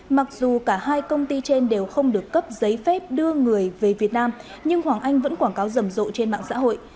mặc dù cả hai công ty trên đều không được cấp giấy phép đưa người về việt nam nhưng hoàng anh vẫn quảng cáo rầm rộ trên mạng xã hội